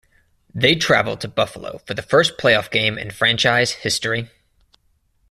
They travelled to Buffalo for the first playoff game in franchise history.